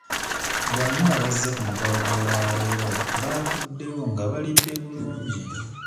Bonna abazze ku mukolo gw'olwaleero baavuddewo nga balidde bulungi.